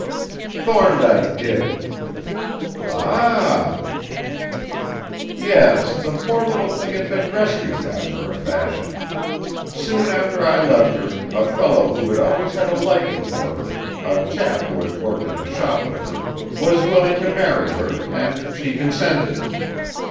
"Thorndyke did." "Ah!" "Yes, the poor little thing had been rescued after a fashion. Soon after I left her, a fellow who had always had a liking for her, a chap who had worked in the shop with her, was willing to marry her and she consented.